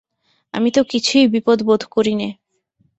আমি তো কিছুই বিপদ বোধ করি নে।